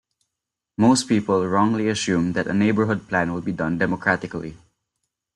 Most people wrongly assume that a neighborhood plan will be done democratically.